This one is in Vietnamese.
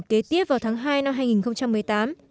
kế tiếp vào tháng hai năm hai nghìn một mươi tám